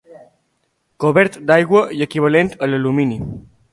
Cobert d'aigua i equivalent a l'alumini.